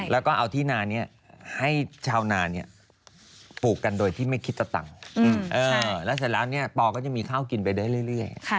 แล้วก็เอาที่นานี้ให้ชาวนาปลูกกันโดยที่ไม่คิดสตังค์แล้วเสร็จแล้วเนี่ยปอก็จะมีข้าวกินไปได้เรื่อย